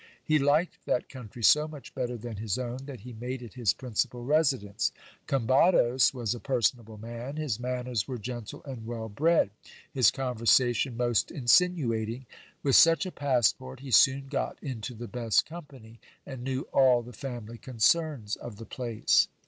He liked that country so much better than his own, that he made it his principal residence. Combados was a personable man. His manners were gentle and well bred, his conversation most insinuating. With such a passport, he soon got into the best company, and knew all the family concerns of the place.